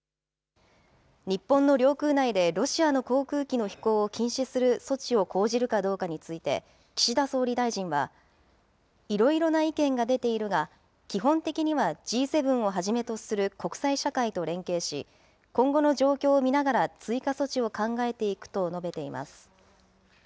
日本の領空内でロシアの航空機の飛行を禁止する措置を講じるかどうかについて、岸田総理大臣は、いろいろな意見が出ているが、基本的にはＧ７をはじめとする国際社会と連携し、今後の状況を見ながら追加措置を考えていくと述べています。